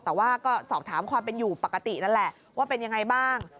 แต่ว่าก็สอบถามความเป็นอยู่ปกตินั่นแหละว่าเป็นยังไงบ้าง